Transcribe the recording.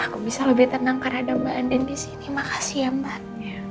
aku bisa lebih tenang karena ada mbak andien disini makasih ya mbak